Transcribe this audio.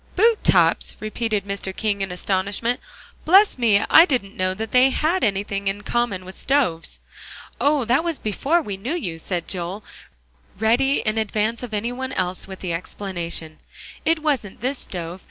"Boot tops!" repeated Mr. King in astonishment. "Bless me, I didn't know that they had anything in common with stoves." "Oh! that was before we knew you," said Joel, ready in advance of any one else with the explanation; "it wasn't this stove.